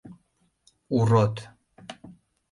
Урод!